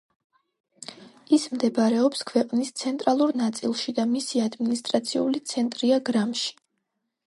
ის მდებარეობს ქვეყნის ცენტრალურ ნაწილში და მისი ადმინისტრაციული ცენტრია გრამში.